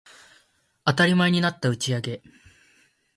当たり前になった打ち上げ